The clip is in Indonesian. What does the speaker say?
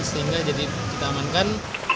sehingga jadi kita amankan